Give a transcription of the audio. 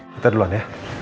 kita duluan ya